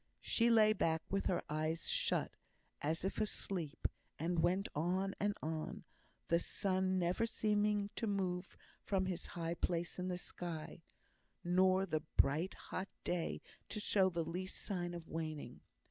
She lay back with her eyes shut, as if asleep, and went on, and on, the sun never seeming to move from his high place in the sky, nor the bright hot day to show the least sign of waning.